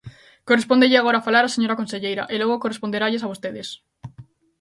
Correspóndelle agora falar á señora conselleira e logo corresponderalles a vostedes.